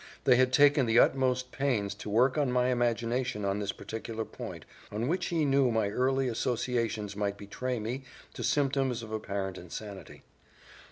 They had taken the utmost pains to work on my imagination on this particular point, on which he knew my early associations might betray me to symptoms of apparent insanity.